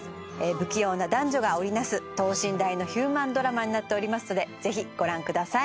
不器用な男女が織り成す等身大のヒューマンドラマになっておりますのでぜひご覧ください。